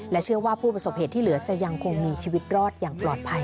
เชื่อว่าผู้ประสบเหตุที่เหลือจะยังคงมีชีวิตรอดอย่างปลอดภัย